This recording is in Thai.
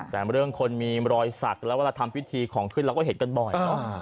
แต่เรื่องคนมีรอยสักแล้วเวลาทำพิธีของขึ้นเราก็เห็นกันบ่อยเนอะ